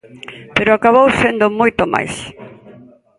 Pero acabou sendo moito máis.